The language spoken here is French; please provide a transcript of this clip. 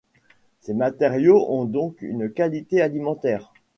Ces matériaux ont donc une qualité alimentaire.